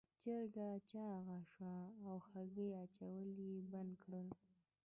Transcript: چرګه چاغه شوه او هګۍ اچول یې بند کړل.